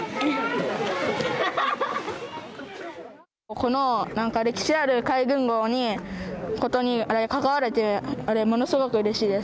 この歴史ある海軍ごうにことに関われてものすごくうれしいです。